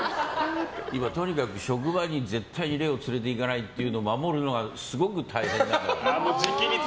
今、とにかく職場に絶対にレオを連れていかないというのを守るのがすごく大変なの。